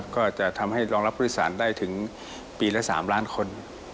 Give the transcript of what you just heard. ก็จะทำให้รองรับผู้โดยสารได้ถึงปีละ๓ล้านคน